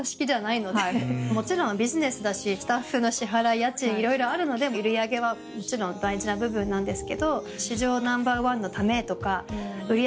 もちろんビジネスだしスタッフの支払い家賃いろいろあるので売り上げはもちろん大事な部分なんですけど。